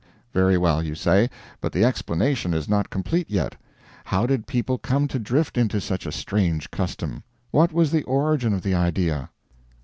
Very well, you say, but the explanation is not complete yet. How did people come to drift into such a strange custom? What was the origin of the idea?